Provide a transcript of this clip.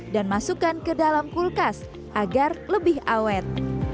dan masukkan ke dalam kulkas agar lebih awet